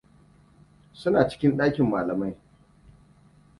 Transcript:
Suna cikin ɗakin malamai.